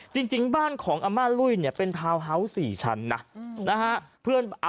จริงบ้านของอาม่าลุ้ยเนี่ยเป็นทาวน์ฮาวส์๔ชั้นนะนะฮะ